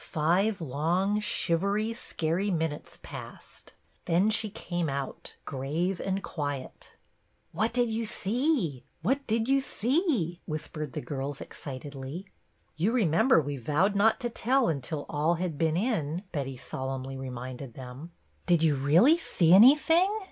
Five long, shivery, scarey 122 BETTY BAIRD minutes passed ; then she came out grave and quiet. " What did you see .i* What did you see ?" whispered the girls excitedly. "You remember we vowed not to tell until all had been in," Betty solemnly reminded them. " Did you really see anything